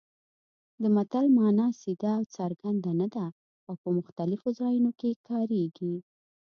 د متل مانا سیده او څرګنده نه ده او په مختلفو ځایونو کې کارېږي